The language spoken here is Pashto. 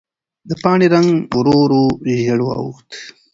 د پاڼې رنګ ورو ورو ژېړ واوښت.